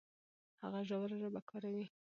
هغه ژوره ژبه کاروي.